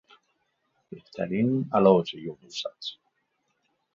بهترین علاج یبوست